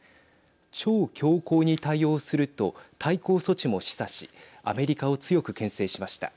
超強硬に対応すると対抗措置も示唆しアメリカを強くけん制しました。